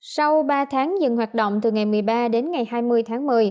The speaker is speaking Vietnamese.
sau ba tháng dừng hoạt động từ ngày một mươi ba đến ngày hai mươi tháng một mươi